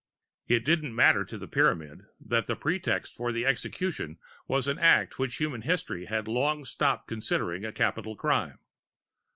It didn't matter to the Pyramid that the pretext for the execution was an act which human history had long stopped considering a capital crime.